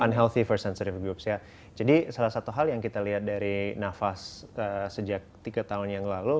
unhealthy for sensitive groups ya jadi salah satu hal yang kita lihat dari nafas sejak tiga tahun yang lalu